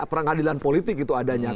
peradilan politik itu adanya